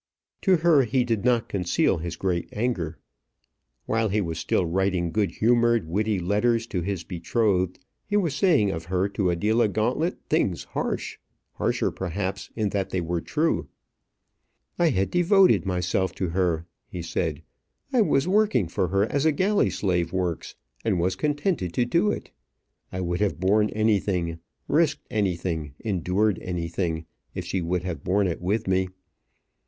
To her he did not conceal his great anger. While he was still writing good humoured, witty letters to his betrothed, he was saying of her to Adela Gauntlet things harsh harsher perhaps in that they were true. "I had devoted myself to her," he said. "I was working for her as a galley slave works, and was contented to do it. I would have borne anything, risked anything, endured anything, if she would have borne it with me.